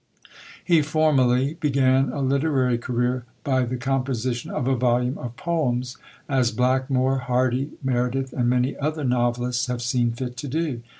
He formally began a literary career by the composition of a volume of poems, as Blackmore, Hardy, Meredith, and many other novelists have seen fit to do.